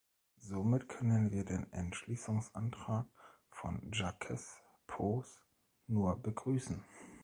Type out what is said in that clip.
Somit können wir den Entschließungsantrag von Jacques Poos nur begrüßen.